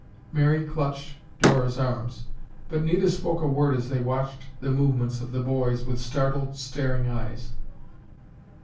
Mary clutched Dora's arms, but neither spoke a word as they watched the movements of the boys with startled, staring eyes.